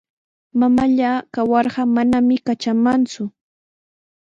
Mamallaa kawarqa manami katramaqku.